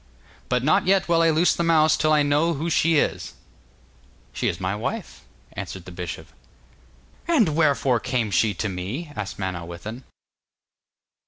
'But not yet will I loose the mouse till I know who she is.' 'She is my wife,' answered the bishop. 'And wherefore came she to me?' asked Manawyddan.